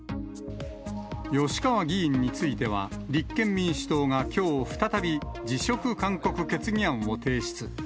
吉川議員については、立憲民主党がきょう、再び辞職勧告決議案を提出。